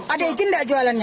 ada izin nggak jualannya